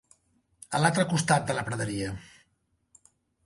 A l'altre costat de la praderia.